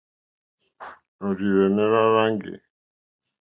Òrzìhwɛ̀mɛ́́ hwá hwáŋɡè.